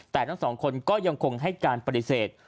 แต่ทั้งสองคนก็ยังคงให้การปฏิเสธ